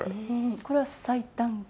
これは最短記録？